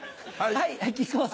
はい。